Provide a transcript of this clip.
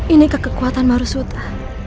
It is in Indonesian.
ini kekekuatan marusuta